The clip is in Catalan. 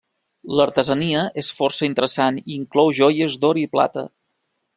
L'artesania és força interessant i inclou joies d'or i plata.